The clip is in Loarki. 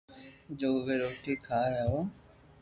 جو ا، ي روٽي کاو ھون